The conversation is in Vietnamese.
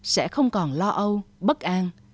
sẽ không còn lo âu bất an